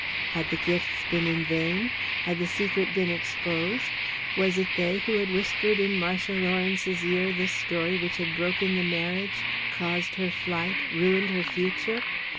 Had the gifts been in vain? Had the secret been exposed? Was it they who had whispered in Marcia Lawrence's ear the story which had broken the marriage, caused her flight, ruined her future?